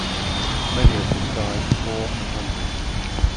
Many of them died poor and hungry.